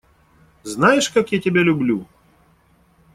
Знаешь, как я тебя люблю!